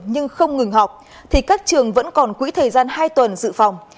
nhưng không ngừng học thì các trường vẫn còn quỹ thời gian hai tuần dự phòng